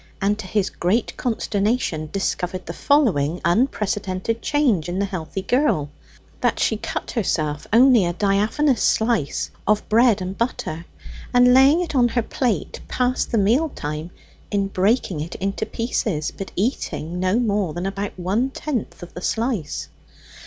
And to his great consternation discovered the following unprecedented change in the healthy girl that she cut herself only a diaphanous slice of bread and butter, and, laying it on her plate, passed the meal time in breaking it into pieces, but eating no more than about one tenth of the slice.